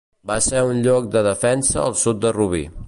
Va ser un lloc de defensa al sud de Rubí.